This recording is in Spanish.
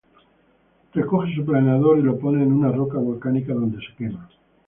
Él recoge su planeador y lo pone en una roca volcánica donde se quema.